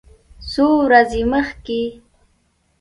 څو ورځې مخکې